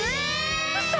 うそ！？